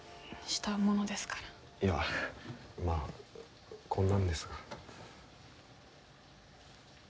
いやまあこんなんですが。